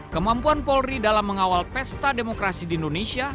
kemampuan polri dalam mengawal pesta demokrasi di indonesia